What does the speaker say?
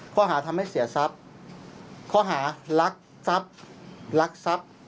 ข้อหาทำให้เสียทรัพย์ข้อหารักทรัพย์ลักทรัพย์